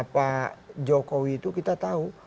pak jokowi itu kita tahu